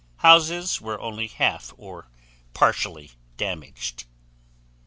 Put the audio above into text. Houses were only half or partially damaged."